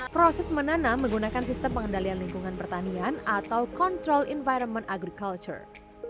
proses menanam menggunakan sistem pengendalian lingkungan pertanian atau control environment agriculture